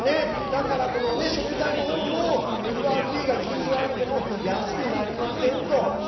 だから、食材のほうもＦＲＢが金利を上げても安くなりませんと。